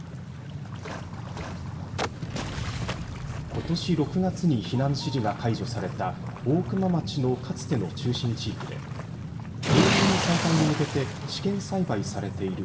ことし６月に避難指示が解除された大熊町の、かつての中心地域で営農の再開に向けて試験栽培されている